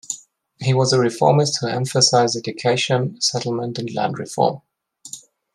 He was a reformist who emphasized education, settlement, and land reform.